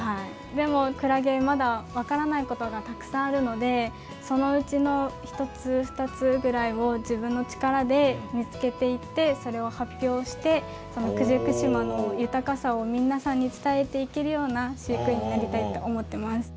でもクラゲまだ分からないことがたくさんあるのでそのうちの１つ２つぐらいを自分の力で見つけていってそれを発表してその九十九島の豊かさを皆さんに伝えていけるような飼育員になりたいと思ってます。